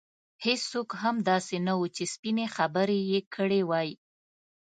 هېڅوک هم داسې نه وو چې سپینې خبرې یې کړې وای.